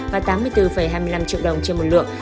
và tám mươi bốn hai mươi năm triệu đồng trên một lượng